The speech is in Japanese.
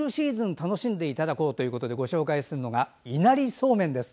楽しんでいただこうということでいなりそうめんです。